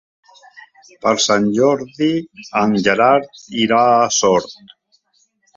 Per Sant Jordi en Gerard irà a Sort.